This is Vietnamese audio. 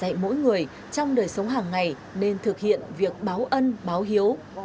dạy mỗi người trong đời sống hàng ngày nên thực hiện việc báo ân báo hiếu